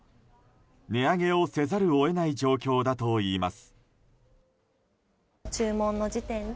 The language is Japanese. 値上げをせざるを得ない状況だといいます。